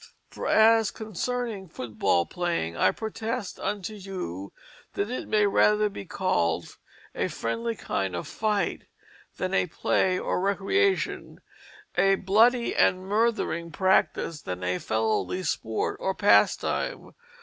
For as concerning football playing I protest unto you that it may rather be called a friendlie kinde of fyghte than a play or recreation a bloody and murthering practice than a felowly sport or pastime.